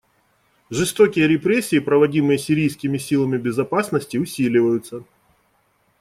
Жестокие репрессии, проводимые сирийскими силами безопасности, усиливаются.